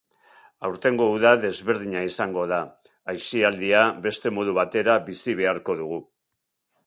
Aurtengo uda desberdina izango da, aisialdia beste modu batera bizi beharko dugu.